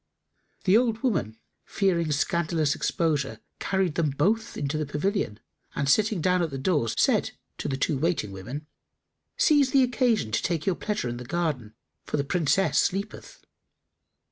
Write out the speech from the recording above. The old woman, fearing scandalous exposure, carried them both into the pavilion, and, sitting down at the door, said to the two waiting women, "Seize the occasion to take your pleasure in the garden, for the Princess sleepeth."